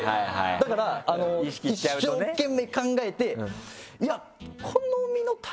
だから一生懸命考えて。